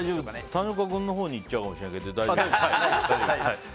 谷岡君のほうに行っちゃうかもしれないけど大丈夫です。